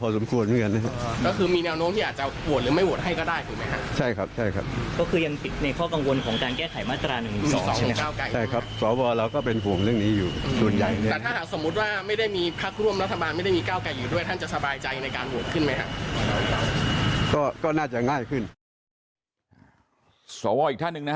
สวอีกท่านึงนะครับ